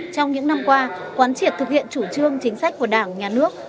trong những năm qua quán triệt thực hiện chủ trương chính sách của đảng nhà nước